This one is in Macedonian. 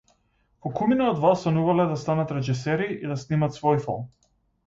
Колкумина од вас сонувале да станат режисери и да снимат свој филм?